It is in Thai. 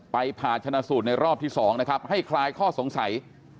ผ่าชนะสูตรในรอบที่๒นะครับให้คลายข้อสงสัย